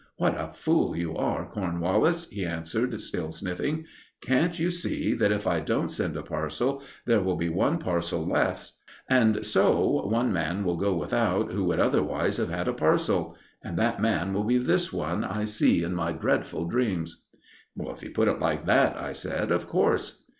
"What a fool you are, Cornwallis!" he answered, still sniffing. "Can't you see that, if I don't send a parcel, there will be one parcel less; and so one man will go without who would otherwise have had a parcel; and that man will be this one I see in my dreadful dreams." "If you put it like that," I said "of course."